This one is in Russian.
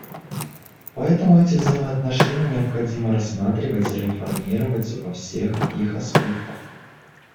Поэтому эти взаимоотношения необходимо рассматривать и реформировать во всех их аспектах.